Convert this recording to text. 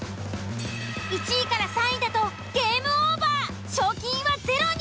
１位３位だとゲームオーバー賞金はゼロに。